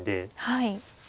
はい。